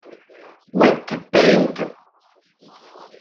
Wet Paint